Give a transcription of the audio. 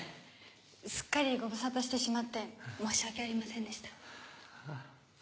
すっかりご無沙汰してしまって申し訳ありませんでした。